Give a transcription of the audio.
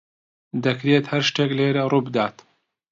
دەکرێت هەر شتێک لێرە ڕووبدات.